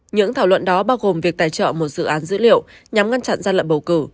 những thảo luận đó bao gồm việc tài trợ một dự án dữ liệu nhằm ngăn chặn gian lận bầu cử